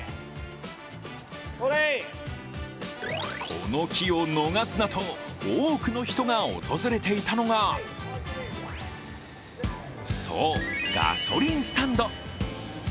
この機を逃すなと多くの人が訪れていたのがそう、ガソリンスタンド。